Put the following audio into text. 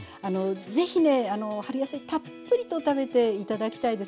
ぜひね春野菜たっぷりと食べて頂きたいですね。